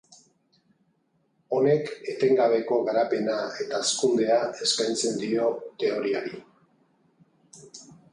Honek etengabeko garapena eta hazkundea eskaintzen dio teoriari.